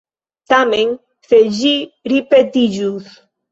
Tamen se ĝi ripetiĝus.